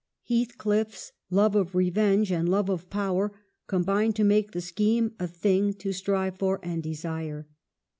Heathcliff's love of revenge and love of power combined to make the scheme a thing to strive for and desire.